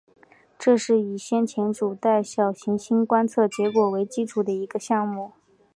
这是以先前主带小行星观测结果为基础的一个项目。